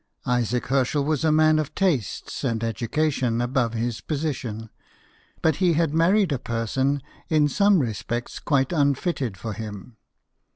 Isaac Herschel was a man of tastes and education above his position ; but he had married a person in some respects quite unfitted for him.